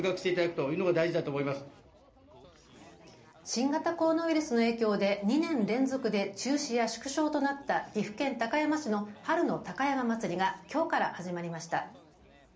新型コロナウイルスの影響で２年連続で中止や縮小となった岐阜県高山市の春の高山祭がきょうから始まりました。